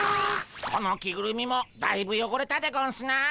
この着ぐるみもだいぶよごれたでゴンスな。